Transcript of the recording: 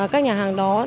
các nhà hàng đó